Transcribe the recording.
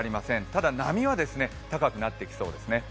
ただ波は、高くなってきそうですね。